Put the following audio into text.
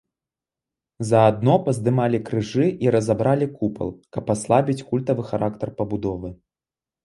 Заадно паздымалі крыжы і разабралі купал, каб аслабіць культавы характар пабудовы.